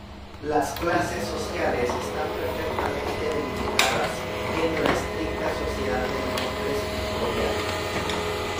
Las clases sociales están perfectamente delimitadas en la estricta sociedad del Londres victoriano.